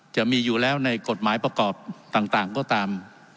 จะมีอยู่แล้วในกฎหมายประกอบต่างก็ตาม